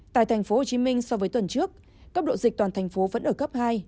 tại tp hcm so với tuần trước cấp độ dịch toàn thành phố vẫn ở cấp hai